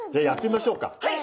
はい。